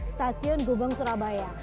stasiun gubeng surabaya